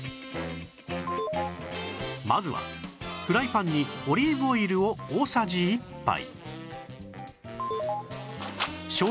まずはフライパンにオリーブオイルを大さじ１杯